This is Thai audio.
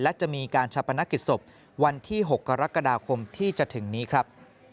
และจะมีการชาปนกิจศพวันที่๖กรกฎาคมที่จะถึงนี้ครับ